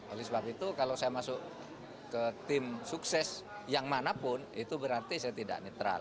oleh sebab itu kalau saya masuk ke tim sukses yang manapun itu berarti saya tidak netral